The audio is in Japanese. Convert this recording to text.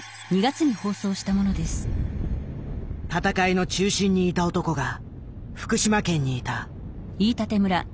闘いの中心にいた男が福島県にいた。